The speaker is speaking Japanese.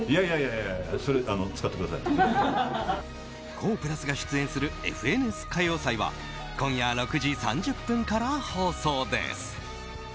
ＫＯＨ＋が出演する「ＦＮＳ歌謡祭」は今夜６時３０分から放送です。